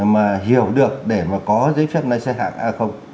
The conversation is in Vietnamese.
mà hiểu được để mà có giấy phép lái xe hạng a